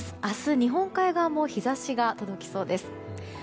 明日、日本海側も日差しが届きそうです。